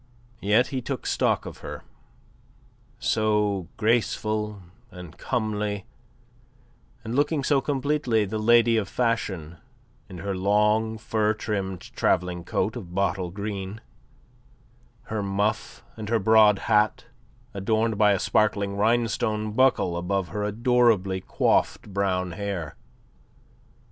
Yet he took stock of her, so graceful and comely and looking so completely the lady of fashion in her long fur trimmed travelling coat of bottle green, her muff and her broad hat adorned by a sparkling Rhinestone buckle above her adorably coiffed brown hair.